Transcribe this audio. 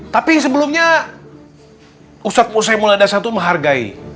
tapi sebelumnya ustadz musa yang mulai dasar tuh menghargai